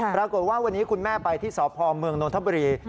ปรากฏว่าวันนี้คุณแม่ไปที่สพเมืองนทบุรี